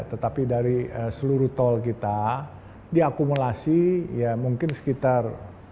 tetapi dari seluruh tol kita diakumulasi ya mungkin sekitar